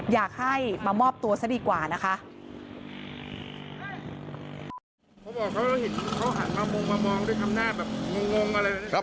อยากให้มามอบตัวซะดีกว่านะคะ